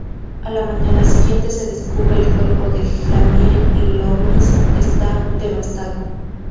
A la mañana siguiente, se descubre el cuerpo de Jamie, y Loomis está devastado.